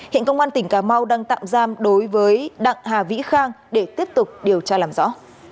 hiện công an tỉnh cà mau đang tạm giam đối với đặng hà vĩ khang để tiếp tục điều tra làm rõ